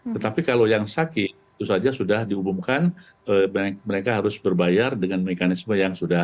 tetapi kalau yang sakit itu saja sudah diumumkan mereka harus berbayar dengan mekanisme yang sudah